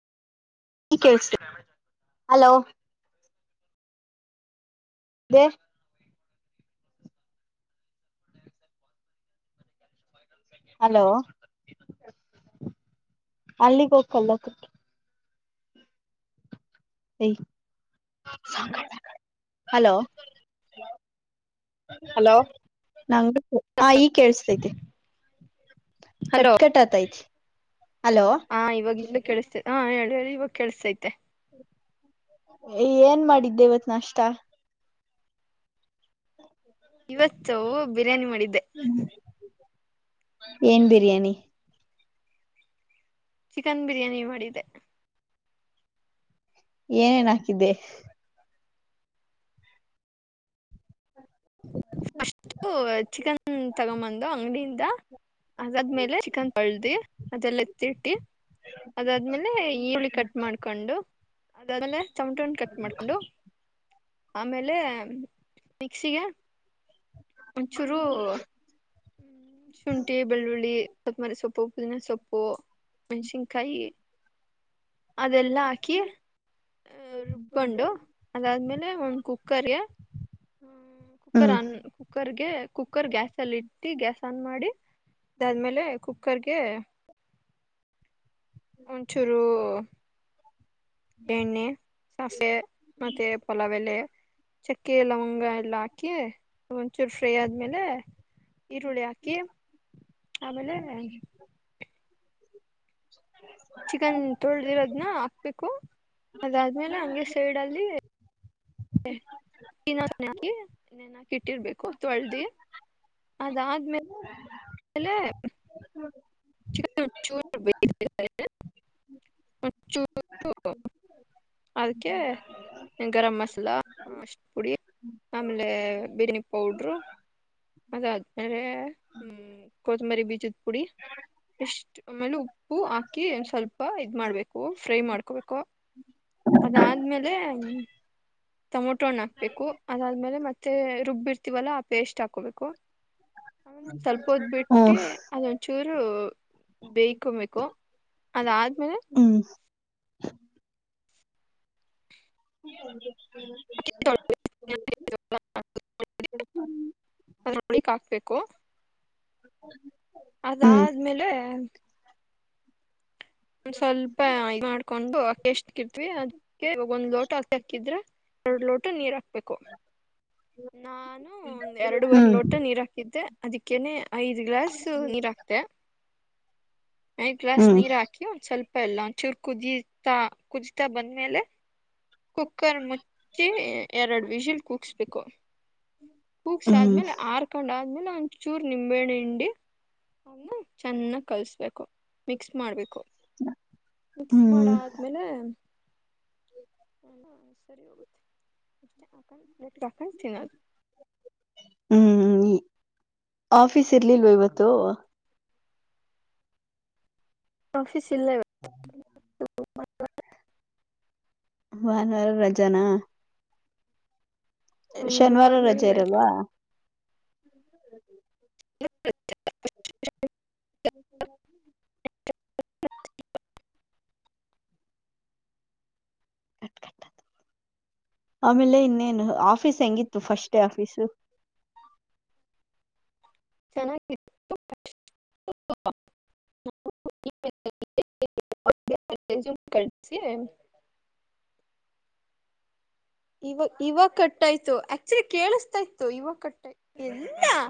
hello ಅದ hello ಅಲ್ಲಿಗೆ ಹೋಗಕಲ್ಲ [unintelligible] hello hello ಹಾ ಈಗ್ ಕೇಳಸ್ತೈತೆ ಹಲೋ ಕಟ್ ಕಟ್ ಆತೈತಿ ಹಲೋ ಹಾ ಇವಾಗ ಇಲ್ಲೂ ಕೇಳಿಸ್ತೇತೆ ಹಾ ಹೇಳಿ ಹೇಳಿ ಇವಾಗ ಕೇಳಸ್ತೈತೆ ಏನ್ ಮಾಡಿದ್ದೆ ಇವತ್ ನಾಷ್ಟ ಇವತ್ತು ಬಿರಿಯ್ಯಾನಿ ಮಾಡಿದ್ದೆ ಏನ್ ಬಿರಿಯಾನಿ ಚಿಕನ್ ಬಿರಿಯಾನಿ ಮಾಡಿದ್ದೆ ಏನೇನ್ ಹಾಕಿದ್ದೆ ಫಸ್ಟು ಚಿಕನ್ ತಗೊಂಬಂದು ಅಂಗಡಿಯಿಂದ ಅದಾದ್ಮೇಲೆ ಚಿಕನ್ ಪಳ್ದಿ ಅದೆಲ್ಲ ಎತ್ತಿಟ್ಟಿ ಅದಾದ್ಮೇಲೆ ಈರುಳ್ಳಿ ಕಟ್ ಮಾಡ್ಕೊಂಡು ಅದಾದ್ಮೇಲೆ ಟಮೋಟೊ ಹಣ್ ಕಟ್ ಮಾಡ್ಕೊಂಡು ಆಮೇಲೆ ಮಿಕ್ಸಿಗೆ ಒಂದು ಚೂರು ಶುಂಠಿ ಬೆಳ್ಳುಳ್ಳಿ ಕೊತಂಬರಿ ಸೊಪ್ಪ್ ಪುದಿನ ಸೊಪ್ಪು ಮೆಣಸಿನ್ಕಾಯಿ ಅದೆಲ್ಲ ಹಾಕಿ ರುಬ್ಕೊಂಡು ಅದಾದ್ಮೇಲೆ ಒಂದು ಕುಕ್ಕರ್ಗೆ ಹ್ಮ ಕುಕ್ಕರ್ ಹ್ಮ್ ಅನ್ ಕುಕ್ಕರ್ಗೆ ಕುಕ್ಕರ್ ಗ್ಯಾಸ್ ಅಲ್ಲಿ ಇಟ್ ಗ್ಯಾಸ್ ಆನ್ ಮಾಡಿ ಅದಾದ್ಮೇಲೆ ಕುಕ್ಕರ್ಗೆ ಒಂಚೂರು ಎಣ್ಣೆ ಸಾಸಿವೆ ಮತ್ತೆ ಪಲಾವೆಲೆ ಚಕ್ಕೆ ಲವಂಗ ಎಲ್ಲಾ ಹಾಕಿ ಒಂಚೂರು ಫ್ರೈ ಆದ್ಮೇಲೆ ಈರುಳ್ಳಿ ಹಾಕಿ ಆಮೇಲೆ ಚಿಕನ್ ತೊಳ್ದಿರೋದ್ನ ಹಾಕ್ಬೇಕು ಅದಾದ್ಮೇಲೆ ಹಂಗೆ ಸೈಡ್ ಅಲ್ಲಿ [unintelligible] ನೆನಾಕಿಟ್ಟಿರ್ಬೇಕು ತೊಳ್ದಿ ಅದಾದ್ಮೇಲೆ [unintelligible] ಅದಕ್ಕೆ ಗರಂ ಮಸಾಲಾ ಅರಿಷಿಣ್ ಪುಡಿ ಆಮೇಲೆ ಬಿರಿಯಾನಿ ಪೌಡ್ರು ಅದಾದ್ಮೇಲೆ ಹ್ಮ ಕೊತ್ತಂಬರಿ ಬೀಜದ ಪುಡಿ ಎಷ್ಟು ಆಮೇಲೆ ಉಪ್ಪು ಹಾಕಿ ಒ ಸ್ವಲ್ಪ ಇದ ಮಾಡ್ಬೇಕು ಫ್ರೈ ಮಾಡ್ಕೋಬೇಕು ಅದಾದ್ಮೇಲೆ ಟೊಮೊಟೋಣ್ಣ ಹಾಕ್ಬೇಕು ಅದಾದ್ಮೇಲೆ ಮತ್ತೆ ರುಬ್ಬಿರ್ತೀವಲ್ಲ ಆ ಪೇಸ್ಟ್ ಹಾಕೋಬೇಕು [inaudible] ಆಮೇಲೆ ಸ್ವಲ್ಪ ಬಿಟ್ಟಿ ಹ್ಮ್ ಅದಂ ಚೂರು ಬೇಯಕೊಬೇಕು ಅದಾದ್ಮೇಲೆ ಹ್ಮ್ ಹ ನೋಡಿ ಕಾಕ್ಬೇಕ [unintelligible] ಕ ಹ ಅದಾದ್ಮೇಲೆ ಸ್ವಲ್ಪ ಇ ಮಾಡ್ಕೊಂಡು ಅಕ್ಕ ಎಷ್ಟಕ್ಕ ಇರ್ತ್ವಿ ಅದಕ್ಕೆ ಒಂದ್ ಲೋಟ ಅಕ್ಕಿದ್ರೆ ಎರಡ್ ಲೋಟ ನೀರ್ ಹಾಕ್ಬೇಕು ನಾನು ಒಂದ್ ಎರಡುುವರೆ ಹ್ಮ್ ಲೋಟ ನೀರ್ ಹಾಕಿದ್ದೆ ಅದಕ್ಕೇನೆ ಐದ್ ಗ್ಲಾಸ್ ನೀರ ಹಾಕ್ತೆ ಐ ಗ್ಲಾಸ್ ಹ್ಮ್ ಹ್ಮ್ ನೀರ್ ಹಾಕಿ ಒಂದ ಸ್ವಲ್ಪ ಎಲ್ಲಾ ಚೂರ್ ಕುದಿತಾ ಕುದಿತಾ ಬಂದ್ಮೇಲೆ ಕುಕ್ಕರ್ ಮುಚ್ಚ ಚಿ ಎರಡು ವಿಷಲ್ ಕೂಗ್ಸ್ಬೇಕು ಕೊಗ್ಸಿ ಹ್ಮ್ ಆದ್ಮೇಲೆ ಆರ್ಕೊಂಡ ಆದ್ಮೇಲೆ ಒಂದ್ಚೂರು ನಿಂಬೆಣೆ ಹಂಡಿ ಅದನ್ನ ಚೆನ್ನಾಗಿ ಕಲಿಸಬೇಕು ಮಿಕ್ಸ್ ಮಾಡಬೇಕು ಮಿಕ್ಸ್ ಮಾಡ ಆದ್ಮೇಲೆ [inaudible] ಸರಿೋಗಕ ಹ್ಮ್ ಆಫೀಸ್ ಇರ್ಲಿಲ್ವ ಇವತ್ತು ಆಫೀಸ್ ಇಲ್ಲ ಹ ಭಾನುವಾರ ವಾರ ರಜಾನ ಹ್ಮ್ ಶನಿವಾರ ಭಾನುವಾರ ರಜೆ ಇರಲ್ವಾ ಹ್ಮ ಹ [inaudible] ಕಟ್ಕಟ್ಟ ಆಮೇಲೆ ಇನ್ನೇನು ಆಫೀಸ್ ಹೆಂಗಿತ್ತು ಫಸ್ಟ್ ಡೇ ಆಫೀಸು ಚೆನ್ನಾಗಿ [inaudible] [inaudible] ರೆಸೂಮ್ ಕಳ್ಸಿ ಇವ ಇವಾಗ ಕಟ್ಟಾಯ್ತು ಆಕ್ಚುಲಿ ಕೇಳಿಸ್ತಾ ಇತ್ತು ಇವ ಕಟ್ಟಾಯ್ತು ಎಲ್ಲ